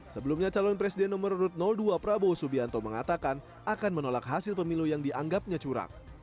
sebelumnya calon presiden nomor dua prabowo subianto mengatakan akan menolak hasil pemilu yang dianggapnya curang